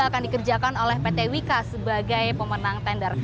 akan dikerjakan oleh pt wika sebagai pemenang tender